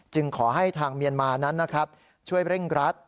ขอให้ทางเมียนมานั้นนะครับช่วยเร่งรัด